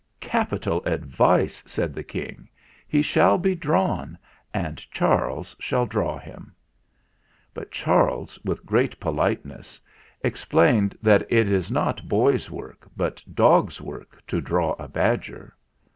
"Capital advice," said the King. "He shall be drawn, and Charles shall draw him." But Charles, with great politeness, explained that it is not boys' work, but dogs' work to draw a badger.